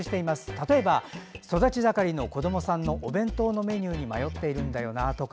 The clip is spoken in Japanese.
例えば育ち盛りの子どもさんのお弁当のメニューに迷っているんだよなとか